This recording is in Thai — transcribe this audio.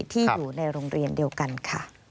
ที่อยู่ในโรงเรียนเดียวกันค่ะ